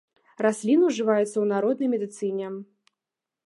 Расліна ўжываецца ў народнай медыцыне.